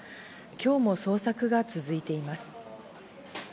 今日も捜索が続いています。